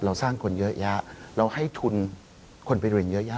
สร้างคนเยอะแยะเราให้ทุนคนไปเรียนเยอะแยะ